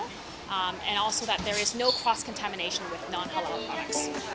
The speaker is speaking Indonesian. dan juga bahwa tidak ada kontaminasi berkaitan dengan produk yang tidak halal